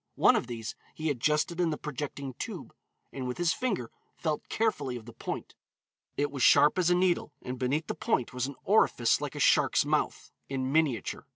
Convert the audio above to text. One of these he adjusted in the projecting tube, and with his finger felt carefully of the point. It was sharp as a needle, and beneath the point was an orifice like a shark's mouth, in miniature.